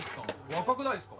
若くないっすか？